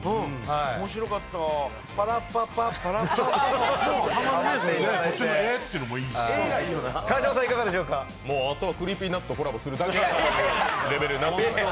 面白かった、パラッパパッパパッパッパあとはＣｒｅｅｐｙＮｕｔｓとコラボするだけのレベルになってきました。